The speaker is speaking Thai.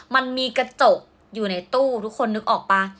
มันมีกระจกอยู่ในตู้ทุกคนนึกออกป่ะ